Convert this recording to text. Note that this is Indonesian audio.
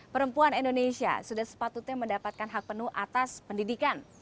perempuan indonesia sudah sepatutnya mendapatkan hak penuh atas pendidikan